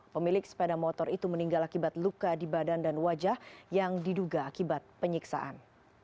pemilik sepeda motor itu meninggal akibat luka di badan dan wajah yang diduga akibat penyiksaan